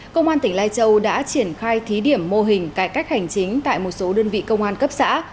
công an tỉnh lai châu đã triển khai thí điểm mô hình cải cách hành chính tại một số đơn vị công an cấp xã